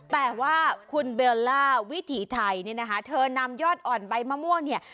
แบบสดไง